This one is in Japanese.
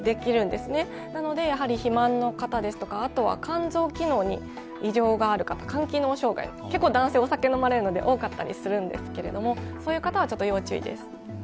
ですから肥満の方ですとかあとは肝臓機能に異常がある方肝機能障害、結構、男性、お酒を飲むので多かったりするんですけどそういう方は要注意です。